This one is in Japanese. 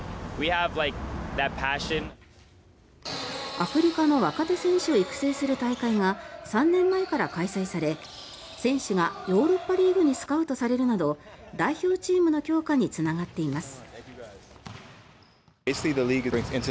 アフリカの若手選手を育成する大会が３年前から開催され選手がヨーロッパリーグにスカウトされるなど代表チームの強化につながっています。